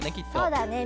そうだね